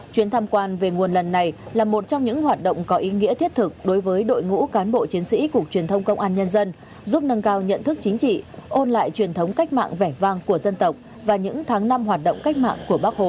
chuyến tham quan về nguồn lần này là một trong những hoạt động có ý nghĩa thiết thực đối với đội ngũ cán bộ chiến sĩ cục truyền thông công an nhân dân giúp nâng cao nhận thức chính trị ôn lại truyền thống cách mạng vẻ vang của dân tộc và những tháng năm hoạt động cách mạng của bác hồ